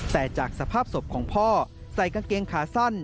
แต่จากสภาพศพของพ่อใส่กางเกงขาสั้น